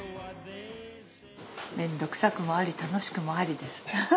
めんどくさくもあり楽しくもありですハハハ。